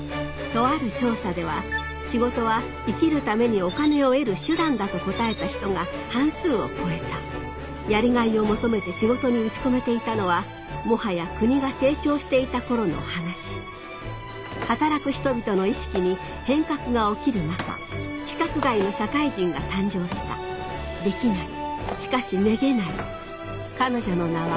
とある調査では仕事は生きるためにお金を得る手段だと答えた人が半数を超えたやりがいを求めて仕事に打ち込めていたのはもはや国が成長していた頃の話働く人々の意識に変革が起きる中規格外の社会人が誕生したデキない